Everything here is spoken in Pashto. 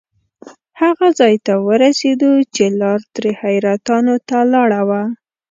هغه ځای ته ورسېدو چې لار ترې حیرتانو ته لاړه وه.